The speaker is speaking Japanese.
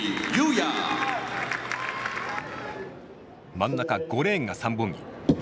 真ん中５レーンが三本木。